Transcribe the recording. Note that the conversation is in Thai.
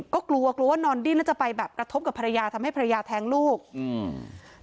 ก็กลัวกลัวว่านอนดิ้นแล้วจะไปแบบกระทบกับภรรยาทำให้ภรรยาแท้งลูกอืม